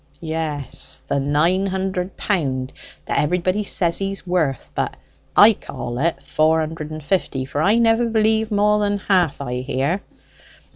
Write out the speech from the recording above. "Yes; the nine hundred pound that everybody says he's worth; but I call it four hundred and fifty; for I never believe more than half I hear."